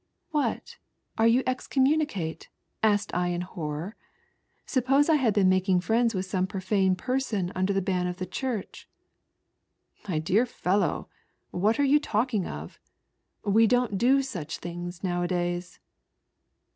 'What! are you excommunicate?" asked I in glorror. Suppose I had been making Mends with B profane person under the ban of the church. "My dear fellow, what are yon talking of ? We ion't do such things now a days."